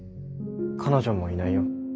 彼女もいないよ。